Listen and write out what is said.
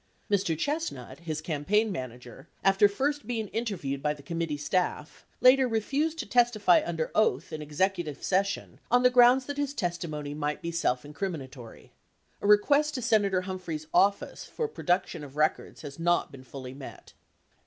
2 Mr. Chestnut, his campaign manager, after first being interviewed by the committee staff, later refused to testify under oath in executive session on the grounds that his testimony might be self incriminatory. 3 A request to Senator Humphrey's office for production of records has not been fully met.